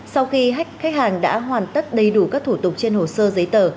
sau khi khách hàng đã hoàn tất đầy đủ các thủ tục trên hồ sơ giấy tờ